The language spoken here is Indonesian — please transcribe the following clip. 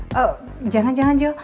ee jangan jangan jo